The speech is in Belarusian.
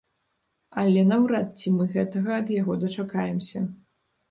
Але наўрад ці мы гэтага ад яго дачакаемся.